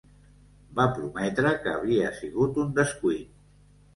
Va prometre que havia sigut un descuit